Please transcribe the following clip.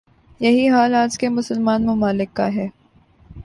یہی حال آج کے مسلمان ممالک کا